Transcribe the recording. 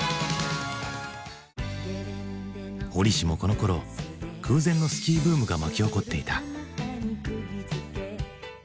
折しもこのころ空前のスキーブームが巻き起こっていた。